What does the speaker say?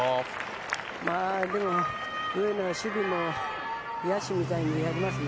でも、上野は守備も野手みたいにやりますね。